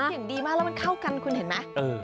เสียงดีมากแล้วมันเข้ากันคุณเห็นไหม